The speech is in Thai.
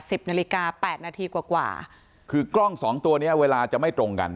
สิบนาฬิกาแปดนาทีกว่ากว่าคือกล้องสองตัวเนี้ยเวลาจะไม่ตรงกัน